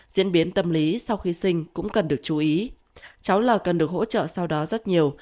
diễn biến tâm lý sau khi sinh cũng cần được chú ý cháu là cần được hỗ trợ sau đó rất nhiều